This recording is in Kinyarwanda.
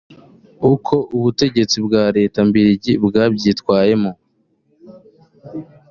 uko ubutegetsi bwa leta mbirigi bwabyitwayemo